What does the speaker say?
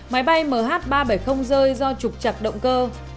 máy bay mh ba trăm bảy mươi rơi do trục chặt động cơ